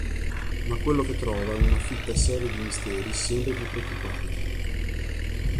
Ma quello che trova è una fitta serie di misteri sempre più preoccupanti.